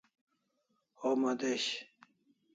Homa desh